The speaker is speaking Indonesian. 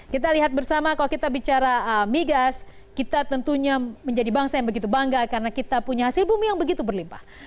kita lihat bersama kalau kita bicara migas kita tentunya menjadi bangsa yang begitu bangga karena kita punya hasil bumi yang begitu berlimpah